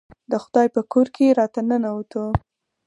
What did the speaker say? د خدای په کور کې راته ننوتو.